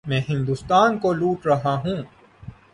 میں ہندوستان کو لوٹ رہا ہوں۔